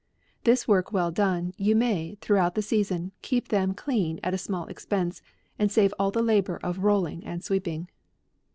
This work well done, you may, throughout the season, keep them clean at a small expense, and save all the la bour of rolling and sweeping.